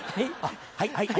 はい。